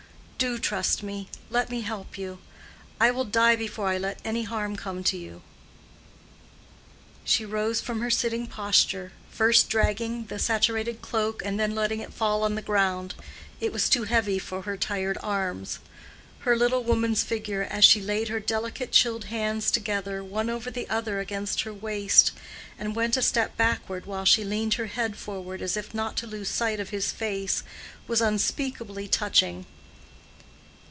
"Do trust me. Let me help you. I will die before I will let any harm come to you." She rose from her sitting posture, first dragging the saturated cloak and then letting it fall on the ground—it was too heavy for her tired arms. Her little woman's figure as she laid her delicate chilled hands together one over the other against her waist, and went a step backward while she leaned her head forward as if not to lose sight of his face, was unspeakably touching.